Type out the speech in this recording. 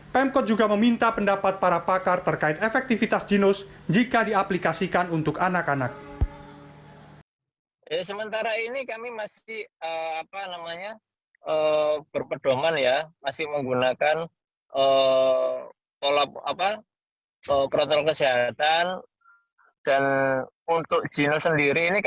pemkot juga meminta pendapat para pakar terkait efektivitas jinos jika diaplikasikan untuk anak anak